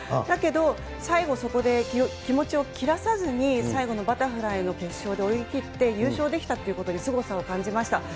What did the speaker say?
だけど、最後そこで気持ちを切らさずに、最後のバタフライの決勝で泳ぎ切って優勝できたということにすごさを感じました。